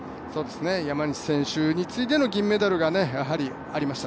山西選手に次いでの銀メダルがありました。